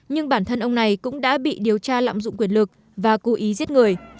nhưng bản thân ông này cũng đã bị điều tra lạm dụng quyền lực và cố ý giết người